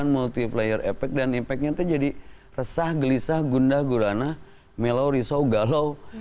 yang mengakibatkan multiplayer efek dan efeknya tuh jadi resah gelisah gundah gurana melau risau galau